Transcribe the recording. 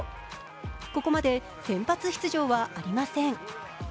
ここまで先発出場はありません。